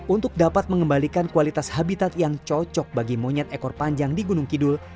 untuk dapat mengembalikan kualitas habitat yang cocok bagi monyet ekor panjang di gunung kidul